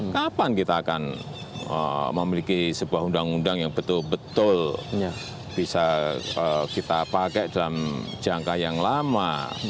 kapan kita akan memiliki sebuah undang undang yang betul betul bisa kita pakai dalam jangka yang lama